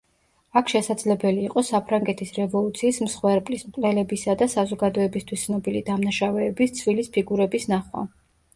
აქ შესაძლებელი იყო საფრანგეთის რევოლუციის მსხვერპლის, მკვლელებისა და საზოგადოებისთვის ცნობილი დამნაშავეების ცვილის ფიგურების ნახვა.